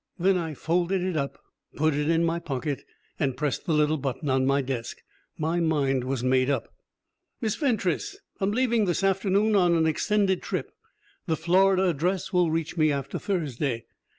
Then I folded it up, put it in my pocket, and pressed the little button on my desk. My mind was made up. "Miss Fentress, I'm leaving this afternoon on an extended trip. The Florida address will reach me after Thursday.